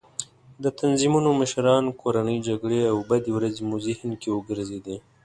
د تنظیمونو مشران، کورنۍ جګړې او بدې ورځې مې ذهن کې وګرځېدې.